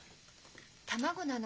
卵なの。